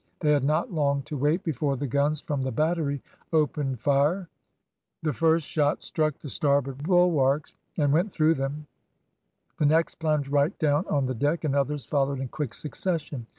They had not long to wait before the guns from the battery opened fire; the first shot struck the starboard bulwarks and went through them, the next plunged right down on the deck, and others followed in quick succession.